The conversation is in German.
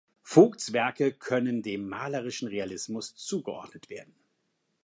Voigts Werke können dem malerischen Realismus zugeordnet werden.